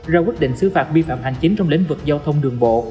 ra quyết định xứ phạt vi phạm hành chính trong lĩnh vực giao thông đường bộ